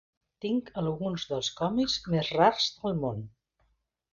Tinc alguns dels còmics més rars del món.